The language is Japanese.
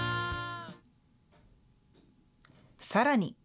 さらに。